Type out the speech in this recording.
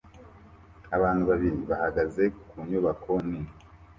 Abantu babiri bahagaze ku nyubako nini